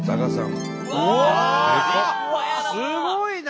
すごいな！